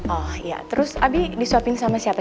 oh iya terus abi disuapin sama siapa